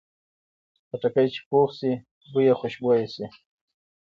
خټکی چې پوخ شي، بوی یې خوشبویه شي.